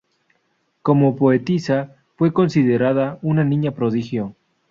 Como poetisa, fue considerada una niña prodigio.